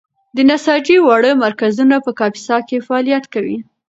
د نساجۍ واړه مرکزونه په کاپیسا کې فعالیت کوي.